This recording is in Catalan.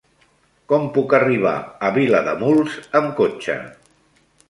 Com puc arribar a Vilademuls amb cotxe?